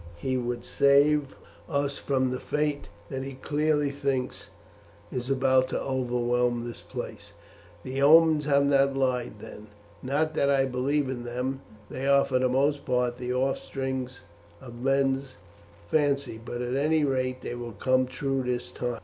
He would save us from the fate that he clearly thinks is about to overwhelm this place. The omens have not lied then not that I believe in them; they are for the most part the offspring of men's fancy, but at any rate they will come true this time.